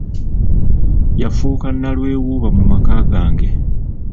Yafuuka nnalwewuuba mu maka gange.